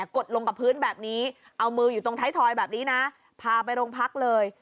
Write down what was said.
ดลงกับพื้นแบบนี้เอามืออยู่ตรงท้ายทอยแบบนี้นะพาไปโรงพักเลย